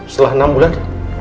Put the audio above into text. setelah enam bulan